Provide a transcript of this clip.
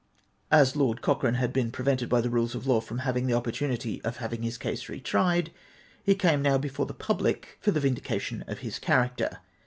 As Lord Cochrane had been prevented by the rules of law from having the opportunity of having his case re tried, he now came before the public for the vindication of his character.